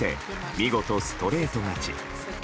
見事、ストレート勝ち。